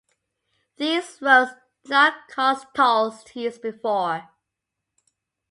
These roads did not cost tolls to use before.